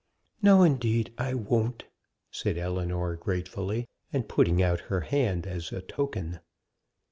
"No indeed I won't!" said Ellinor, gratefully, and putting out her hand as a token.